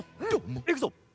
いくぞ！